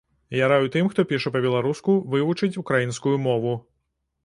Я раю тым, хто піша па-беларуску, вывучыць украінскую мову.